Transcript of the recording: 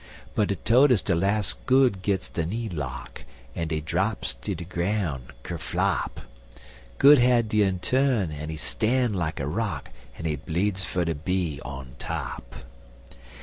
But des todes de las' Good gits de knee lock, En dey draps ter de groun' ker flop! Good had de inturn, en he stan' like a rock, En he bleedzd for ter be on top.